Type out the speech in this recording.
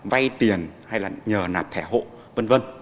vay tiền hay là nhờ nạp thẻ hộ v v